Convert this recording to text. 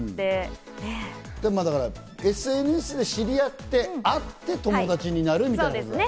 ＳＮＳで知り合って、会って友達になるみたいなことだね。